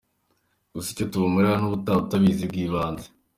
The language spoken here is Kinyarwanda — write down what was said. Gusa icyo tubamarira n’ukubaha ubutabazi bw’ibanze.